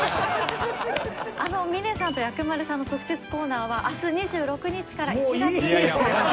あの峰さんと薬丸さんの特設コーナーは明日２６日から１月３日まで。